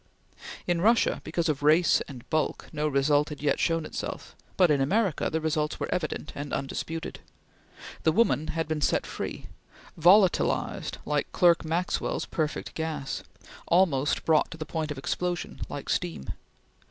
In Russia, because of race and bulk, no result had yet shown itself, but in America the results were evident and undisputed. The woman had been set free volatilized like Clerk Maxwell's perfect gas; almost brought to the point of explosion, like steam.